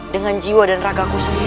dengan jiwa dan ragaku sendiri